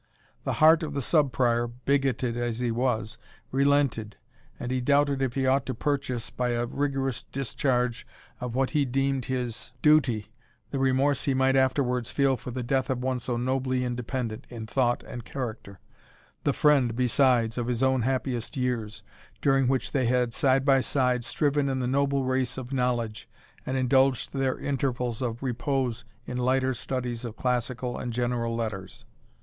The heart of the Sub Prior (bigoted as he was) relented, and he doubted if he ought to purchase, by a rigorous discharge of what he deemed his duty, the remorse he might afterwards feel for the death of one so nobly independent in thought and character, the friend, besides, of his own happiest years, during which they had, side by side, striven in the noble race of knowledge, and indulged their intervals of repose in the lighter studies of classical and general letters.